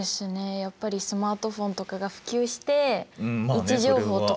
やっぱりスマートフォンとかが普及して位置情報とか。